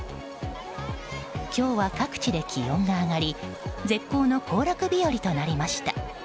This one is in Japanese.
今日は各地で気温が上がり絶好の行楽日和となりました。